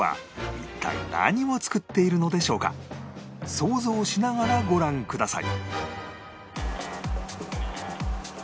想像しながらご覧ください